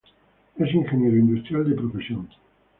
Es Ingeniero Industrial de profesión.